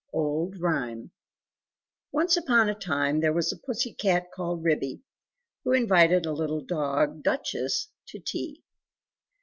Old Rhyme. ONCE upon a time there was a Pussy cat called Ribby, who invited a little dog called Duchess to tea.